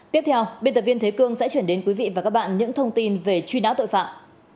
tiếp theo biên tập viên thế cương sẽ chuyển đến quý vị và các bạn những thông tin về truy nã tội phạm